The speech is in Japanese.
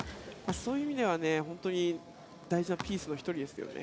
そういう意味では大事なピースの１人ですね。